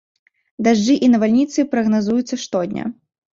Дажджы і навальніцы прагназуюцца штодня.